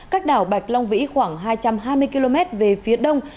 cách đảo bạch long vĩ khoảng hai trăm hai mươi km về phía đông